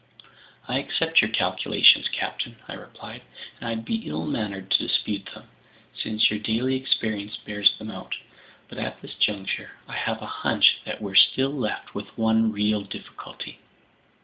"I accept your calculations, captain," I replied, "and I'd be ill mannered to dispute them, since your daily experience bears them out. But at this juncture, I have a hunch that we're still left with one real difficulty."